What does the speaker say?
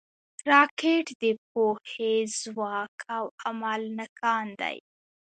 راکټ د پوهې، ځواک او عمل نښان دی